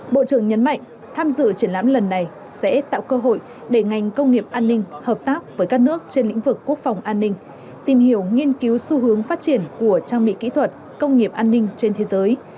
bộ trưởng nhấn mạnh tham dự triển lãm lần này sẽ tạo cơ hội để ngành công nghiệp an ninh hợp tác với các nước trên lĩnh vực quốc phòng an ninh tìm hiểu nghiên cứu xu hướng phát triển của trang bị kỹ thuật công nghiệp an ninh trên thế giới